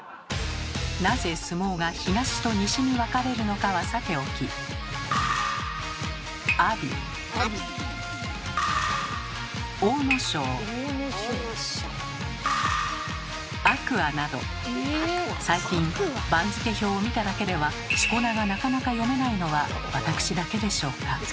なぜ相撲が「東」と「西」に分かれるのかはさておき。など最近番付表を見ただけでは四股名がなかなか読めないのはわたくしだけでしょうか？